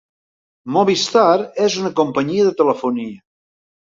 Movistar és una companyia de telefonia.